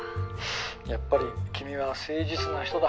やっぱり君は誠実な人だ。